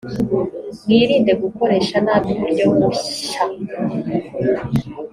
mwirinde gukoresha nabi uburyo bunsha.